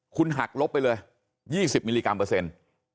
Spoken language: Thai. คุณหักลบไปเลย๒๐มิลลิกรัมเปอร์เซ็นต์